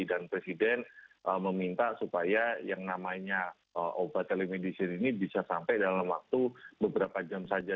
dan presiden meminta supaya yang namanya obat telemedicine ini bisa selesai